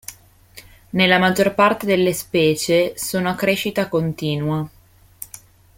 Nella maggior parte delle specie sono a crescita continua.